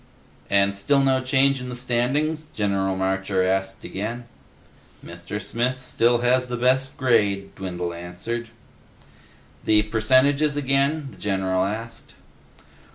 "And still no change in the standings?" General Marcher asked again. "Mr. Smith still has the best grade," Dwindle answered. "The percentages again?" the general asked.